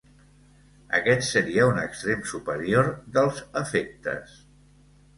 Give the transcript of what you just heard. Aquest seria un extrem superior dels afectes.